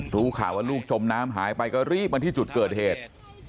รู้ข่าวว่าลูกจมน้ำหายไปก็รีบมาที่จุดเกิดเหตุ